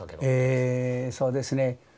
えそうですね。